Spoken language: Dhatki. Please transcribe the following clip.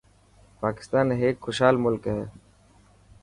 پاڪستان هيڪ خوشحال ملڪ هي.